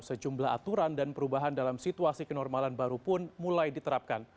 sejumlah aturan dan perubahan dalam situasi kenormalan baru pun mulai diterapkan